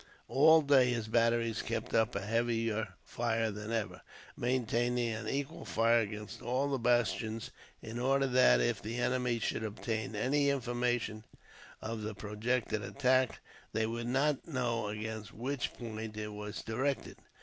All day, his batteries kept up a heavier fire than ever, maintaining an equal fire against all the bastions in order that, if the enemy should obtain any information of the projected attack, they would not know against which point it was directed.